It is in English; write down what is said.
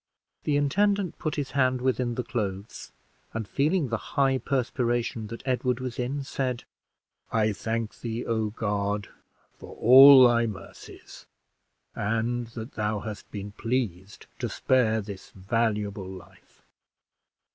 The intendant put his hand within the clothes, and feeling the high perspiration that Edward was in, said "I thank thee, O God! for all thy mercies, and that thou hast been pleased to spare this valuable life.